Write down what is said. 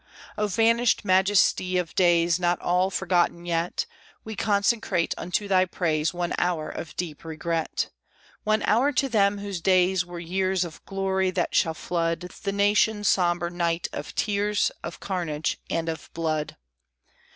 O vanished majesty of days not all forgotten yet, We consecrate unto thy praise one hour of deep regret; One hour to them whose days were years of glory that shall flood The Nation's sombre night of tears, of carnage, and of blood!